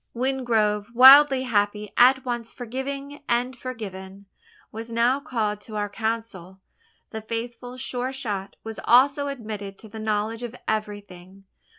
Wingrove, wildly happy at once forgiving and forgiven was now called to our council. The faithful Sure shot was also admitted to the knowledge of everything.